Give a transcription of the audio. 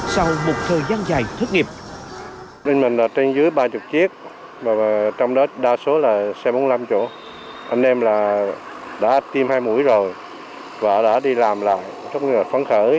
sau một thời gian dài thất nghiệp